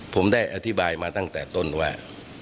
ผมได้อธิบายมาตั้งแต่ต้นว่า